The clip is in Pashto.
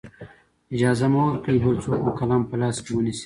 اجازه مه ورکوئ بل څوک مو قلم په لاس کې ونیسي.